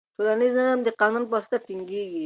ټولنیز نظم د قانون په واسطه ټینګیږي.